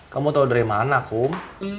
kamu tahu dari mana kum